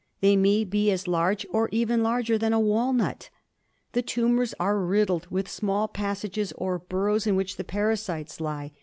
They may be as large or even larger than a walnut. The tumours are riddled with the small passages or burrows in which the parasites lie.